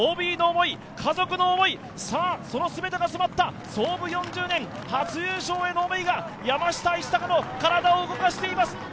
ＯＢの思い、家族の思い、その全てが詰まった創部４０年初優勝への思いが、山下一貴の体を動かしています。